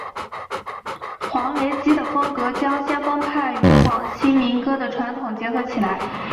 黄雷基的风格将先锋派与广西民歌的传统结合起来。